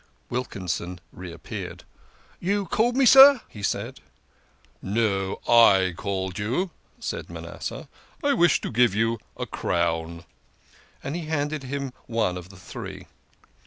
Wilkinson reappeared. "You called me, sir?" he said. " No, / called you," said Manasseh, " I wished to give you a crown." And he handed him one of the three.